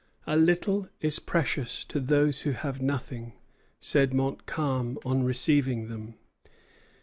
"A little is precious to those who have nothing," said Montcalm on receiving them.